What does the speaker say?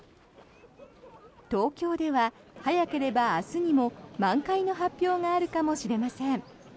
東京では早ければ明日にも満開の発表があるかもしれません。